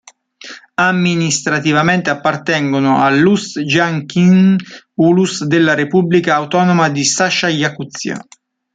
Amministrativamente appartengono al Ust'-Janskij ulus della Repubblica autonoma di Sacha-Jacuzia.